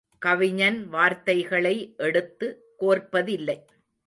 கவிஞன் வார்த்தைகளை எடுத்து கோர்ப்பதில்லை.